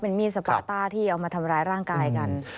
มีดสปาต้าที่เอามาทำร้ายร่างกายกัน